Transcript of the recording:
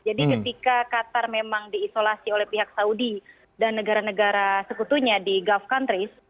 jadi ketika qatar memang diisolasi oleh pihak saudi dan negara negara sekutunya di gulf countries